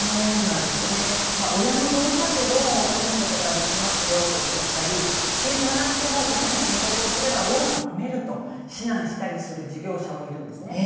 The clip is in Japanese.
そうですね、親の同意なくローンを組むことができますよと言ってきたり収入がなくてもうその申告をすればローンが組めると指南をしたりする事業者もいるんです。